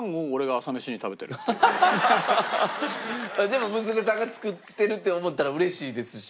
でも娘さんが作ってるって思ったら嬉しいですし。